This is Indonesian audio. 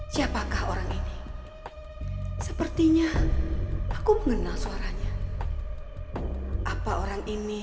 siapakah orang ini sepertinya aku mengenal suaranya apa orang ini